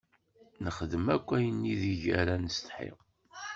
Nexdem akk ayen ideg ara nessetḥi.